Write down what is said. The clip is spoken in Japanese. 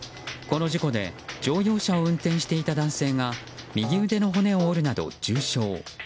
この事故で乗用車を運転していた男性が右腕の骨を折るなど重傷。